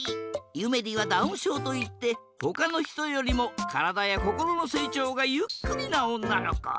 ゆめりはダウンしょうといってほかのひとよりもからだやこころのせいちょうがゆっくりなおんなのこ。